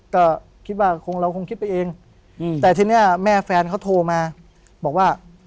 ก็คิดว่าคงเราคงคิดไปเองแต่ทีนี้แม่แฟนเขาโทรมาบอกว่า